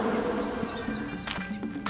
kami akan membuat perlindungan untuk tempat berlindungan